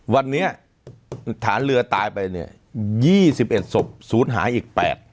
วันนี้ฐานเรือตายไปเนี่ย๒๑ศพศูนย์หายอีก๘